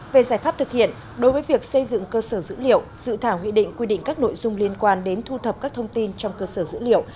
về giải pháp thực hiện đối với việc xây dựng cơ sở dữ liệu dự thảo nghị định quy định các nội dung liên quan đến thu thập các thông tin trong cơ sở dữ liệu